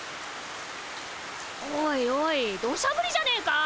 おいおいどしゃぶりじゃねえか。